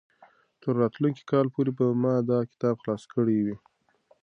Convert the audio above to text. تر راتلونکي کال پورې به ما دا کتاب خلاص کړی وي.